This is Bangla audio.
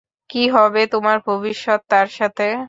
কি হবে তোমার ভবিষ্যৎ তার সাথে?